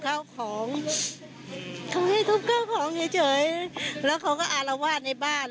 แล้วเขาก็อารวาฬในบ้าน